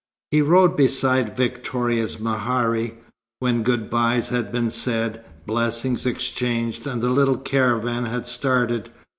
He rode beside Victoria's mehari, when good byes had been said, blessings exchanged, and the little caravan had started.